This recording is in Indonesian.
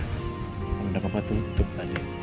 kalau tidak apa apa tutup tadi